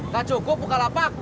gak cukup buka lapak